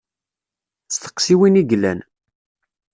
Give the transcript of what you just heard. Steqsi win i yellan.